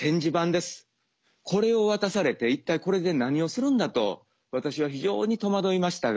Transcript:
これを渡されて一体これで何をするんだと私は非常に戸惑いましたが。